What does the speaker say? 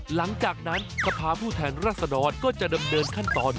หลังจากนั้นสภาพผู้แทนรัศดรก็จะดำเนินขั้นตอน